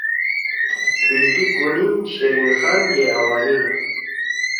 بِلٹی کونیِن شیرین خان گے آوانیِنا